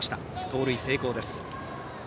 盗塁成功です。